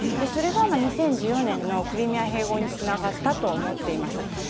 それが２０１４年のクリミア併合につながったと思っています。